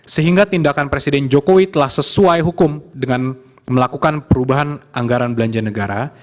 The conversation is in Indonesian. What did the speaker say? sehingga tindakan presiden jokowi telah sesuai hukum dengan melakukan perubahan anggaran belanja negara